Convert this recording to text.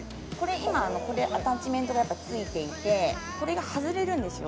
今これアタッチメントがやっぱついていてこれが外れるんですよ